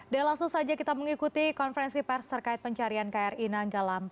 dan langsung saja kita mengikuti konferensi pers terkait pencarian kri nanggalam empat ratus dua